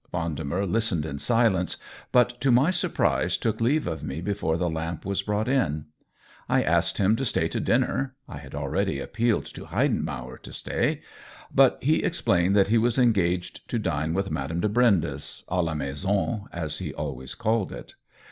Vendemer listened in silence, but to my surprise took leave of me before the lamp was brought in. I asked him to stay to dinner (I had already appealed to Heidenmauer to stay), but he explained that he was engaged to dine with Madame de Brindes — i la maison, as he always called it.